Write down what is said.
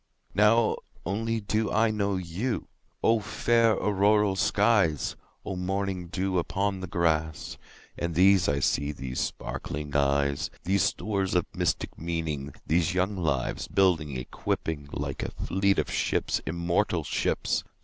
Now only do I know you!O fair auroral skies! O morning dew upon the grass! And these I see—these sparkling eyes, These stores of mystic meaning—these young lives, Building, equipping, like a fleet of ships—immortal ships!